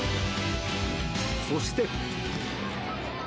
そして。